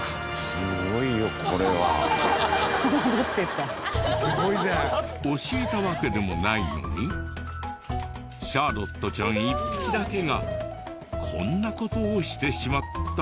すごいよこれは。教えたわけでもないのにシャーロットちゃん１匹だけがこんな事をしてしまった。